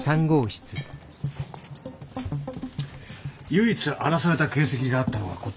唯一荒らされた形跡があったのはこっち。